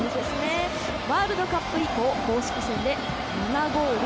ワールドカップ以降公式戦で７ゴール